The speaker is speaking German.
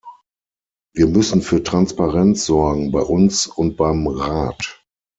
Wir müssen für Transparenz sorgen, bei uns und beim Rat!